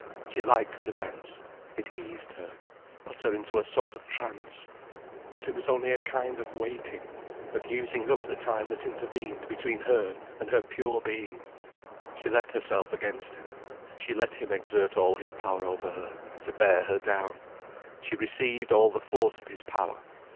She liked the dance: it eased her, put her into a sort of trance. But it was only a kind of waiting, of using up the time that intervened between her and her pure being. She left herself against him, she let him exert all his power over her, to bear her down. She received all the force of his power.